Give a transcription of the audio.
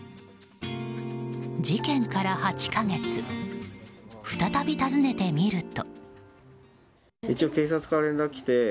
事件から８か月再び訪ねてみると。